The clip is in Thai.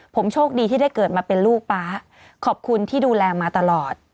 ผมโชคดีที่ได้เกิดมาเป็นลูกป๊าขอบคุณที่ดูแลมาตลอด